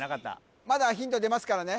まだヒント出ますからね